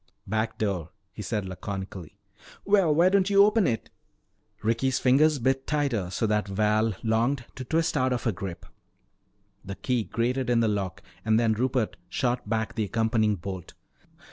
"Back door," he said laconically. "Well, why don't you open it?" Ricky's fingers bit tighter so that Val longed to twist out of her grip. The key grated in the lock and then Rupert shot back the accompanying bolt.